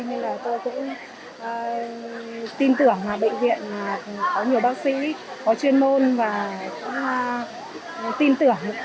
nên tôi cũng tin tưởng bệnh viện có nhiều bác sĩ có chuyên môn và cũng tin tưởng